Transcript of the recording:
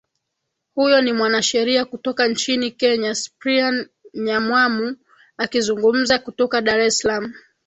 huyo ni mwanasheria kutoka nchini kenya cyprian nyamwamu akizungumza kutoka dar es salaam